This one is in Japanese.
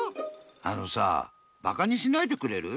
あのさぁバカにしないでくれる？